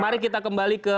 marikita kembali ke